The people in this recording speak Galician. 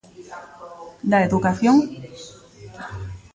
¿Da educación?